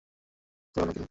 যাবে নাকি যাবে না?